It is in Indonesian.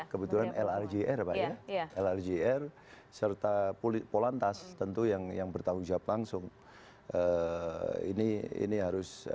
kebetulan lrjr lrjr serta pulik polantas tentu yang yang bertanggung jawab langsung ini ini harus